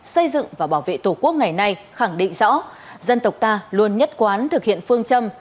xây dựng và bảo vệ tổ quốc ngày nay khẳng định rõ dân tộc ta luôn nhất quán thực hiện phương châm